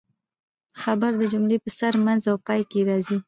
خبر د جملې په سر، منځ او پای کښي راځي.